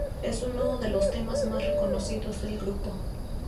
Es uno de los temas más reconocidos del grupo.